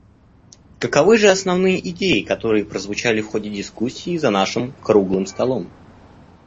Каковы же основные идеи, которые прозвучали в ходе дискуссии за нашим «круглым столом»?